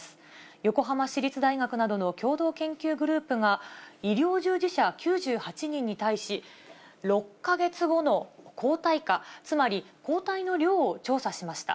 横浜市立大学などの共同研究グループが、医療従事者９８人に対し、６か月後の抗体価、つまり抗体の量を調査しました。